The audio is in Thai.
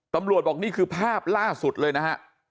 ตำรวจบอกนี่คือภาพล่าสุดเลยนะฮะ